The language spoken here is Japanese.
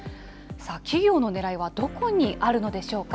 企業のねらいはどこにあるのでしょうか。